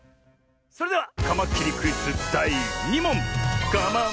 それではカマキリクイズだい２もん。